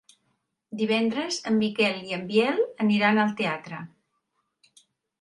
Divendres en Miquel i en Biel aniran al teatre.